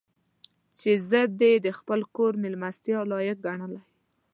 چې زه دې د خپل کور مېلمستیا لایق ګڼلی.